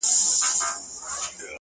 گرېـوانـونه به لانــــده كـــــــــړم ـ